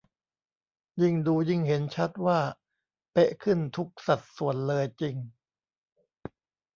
ยิ่งดูยิ่งเห็นชัดว่าเป๊ะขึ้นทุกสัดส่วนเลยจริง